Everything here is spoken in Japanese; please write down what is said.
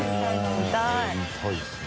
見たいですね。